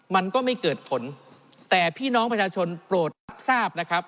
มันก็ไม่เกิดผลแต่พี่น้องประชาชนโปรดรับทราบนะครับ